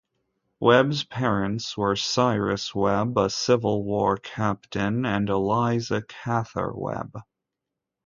Webb's parents were Cyrus Webb, a Civil War captain, and Eliza Cather Webb.